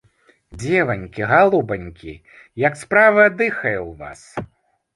Дзеванькі, галубанькі, як справа дыхае ў вас?